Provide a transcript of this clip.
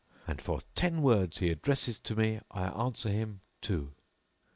And for ten words he addresses to me I answer him two.